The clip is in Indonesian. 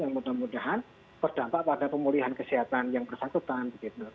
yang mudah mudahan berdampak pada pemulihan kesehatan yang bersangkutan